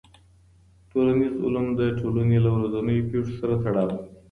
ټولنیز علوم د ټولني له ورځنیو پېښو سره تړاو لري.